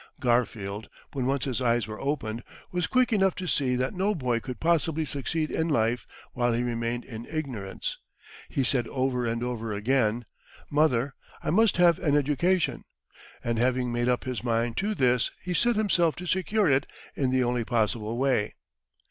Garfield, when once his eyes were opened, was quick enough to see that no boy could possibly succeed in life while he remained in ignorance. He said over and over again, "Mother, I must have an education"; and, having made up his mind to this, he set himself to secure it in the only possible way.